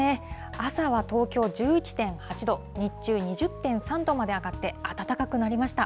朝は東京１１．８度、日中２０．３度まで上がって、暖かくなりました。